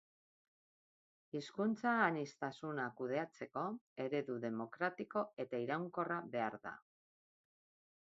Hizkuntza aniztasuna kudeatzeko eredu demokratiko eta iraunkorra behar da.